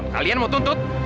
kalian mau tuntut